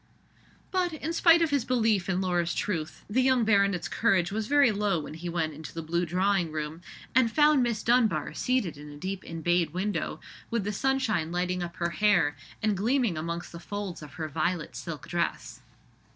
But, in spite of his belief in Laura's truth, the young baronet's courage was very low when he went into the blue drawing room, and found Miss Dunbar seated in a deep embayed window, with the sunshine lighting up her hair and gleaming amongst the folds of her violet silk dress.